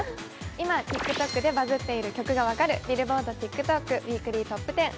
今ＴｉｋＴｏｋでバズっている曲が分かるＢｉｌｌｂｏａｒｄＴｉｋＴｏｋＷｅｅｋｌｙＴｏｐ１０。